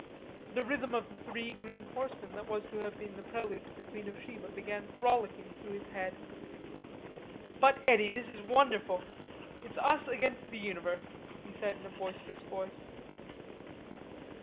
The rhythm of the three green horsemen that was to have been the prelude to the Queen of Sheba began rollicking through his head. "But, Eddy, this is wonderful. It's us against the universe," he said in a boisterous voice.